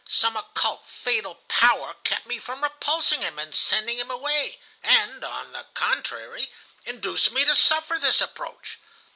some occult fatal power kept me from repulsing him and sending him away, and, on the contrary, induced me to suffer this approach.